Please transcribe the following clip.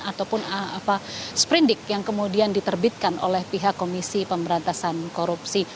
ataupun sprindik yang kemudian diterbitkan oleh pihak komisi pemberantasan korupsi